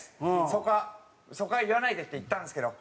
そこはそこは言わないでって言ったんですけど。